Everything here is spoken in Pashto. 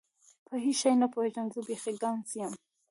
په هیڅ شي نه پوهېږم، زه بیخي ګنګس یم.